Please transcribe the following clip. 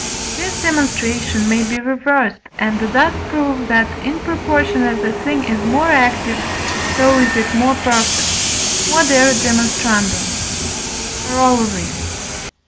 This demonstration may be reversed, and thus prove that, in proportion as a thing is more active, so is it more perfect. Q.E.D. Corollary.